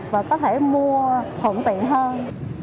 và có thể mua thuận tiện hơn